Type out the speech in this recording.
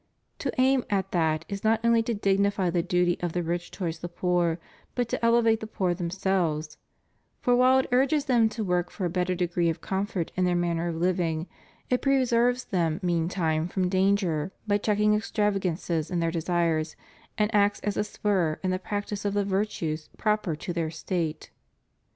To aim at that is not only to dignify the duty of the rich towards the poor, but to elevate the poor themselves; for while it urges them to work for a better degree of comfort in their manner of living, it preserves them meantime from danger by checking extravagance in their desires, and acts as a spur in the practise of the virtues proper to their state.